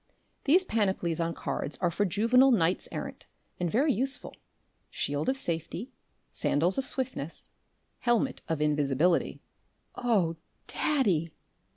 These panoplies on cards are for juvenile knights errant and very useful shield of safety, sandals of swiftness, helmet of invisibility." "Oh, daddy!"